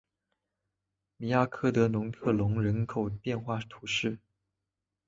米亚克德农特龙人口变化图示